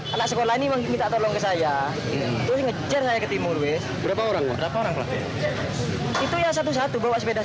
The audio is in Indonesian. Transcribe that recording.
saya ada niat mau ngejar minta tolong itu terpaksa ngejar